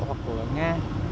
hoặc của nga